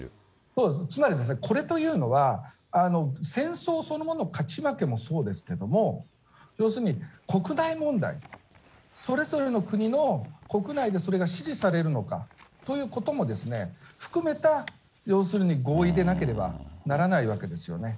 そうです、つまりこれというのは、戦争そのものの勝ち負けもそうですけれども、要するに国内問題、それぞれの国の国内でそれが支持されるのかということも含めた、要するに合意でなければならないわけですよね。